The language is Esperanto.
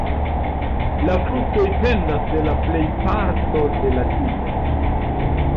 La fruktoj pendas de la plejparto de la tigo.